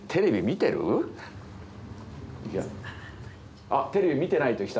あっテレビ見ていないって人いたね